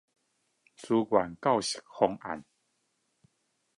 資源教室方案